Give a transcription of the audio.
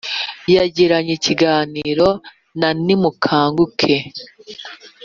Yagiranye ikiganiro na Nimukanguke